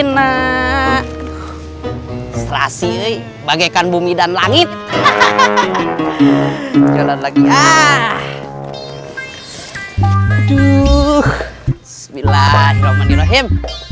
daftar sekarang juga hanya di vision plus